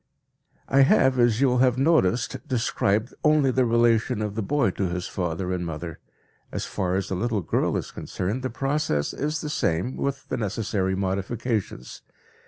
I have, as you will have noticed, described only the relation of the boy to his father and mother. As far as the little girl is concerned, the process is the same with the necessary modifications.